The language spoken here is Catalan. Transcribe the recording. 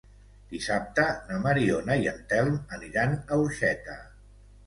Dissabte na Mariona i en Telm aniran a Orxeta.